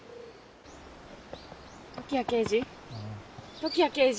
時矢刑事！